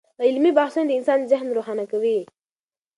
علمي بحثونه د انسان ذهن روښانه کوي.